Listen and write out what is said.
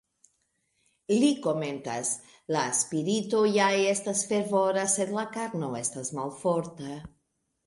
Li komentas: "La spirito ja estas fervora, sed la karno estas malforta".